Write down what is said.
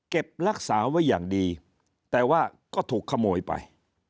รักษาไว้อย่างดีแต่ว่าก็ถูกขโมยไป